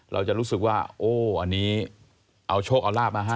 เราจะรู้สึกว่าโอ้อันนี้เอาโชคเอาลาบมาให้